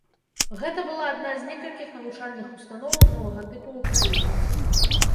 Гэта была адна з некалькіх навучальных установаў новага тыпу ў краіне.